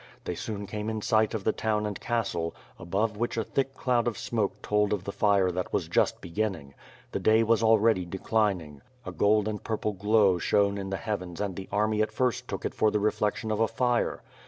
They soon came in sight of the town and castle, above which a thick cloud of smoke told of the fire that was just beginning. The day was already declining. A gold and purple glow shone in the heavens and the army at first took it for the reflection of a fire.